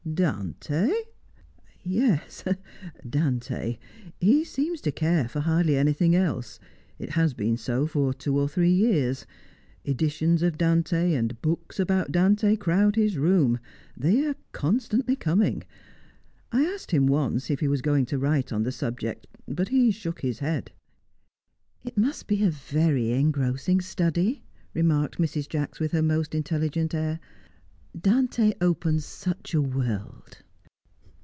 "Dante?" "Yes, Dante; he seems to care for hardly anything else. It has been so for two or three years. Editions of Dante and books about Dante crowd his room they are constantly coming. I asked him once if he was going to write on the subject, but he shook his head." "It must be a very engrossing study," remarked Mrs. Jacks, with her most intelligent air. "Dante opens such a world."